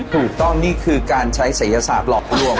ถูกต้องนี่คือการใช้ศัยศาสตร์หลอกลวง